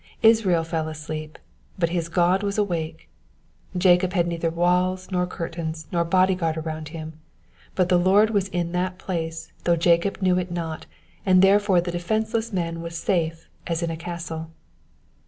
Israel fell asleep, but his God was awake. JacoD had neither walls, nor curtains, nor body guard around him ; but the Lord was in that place though Jacob knew it not, and therefore the defenceless man was safe as in a castle.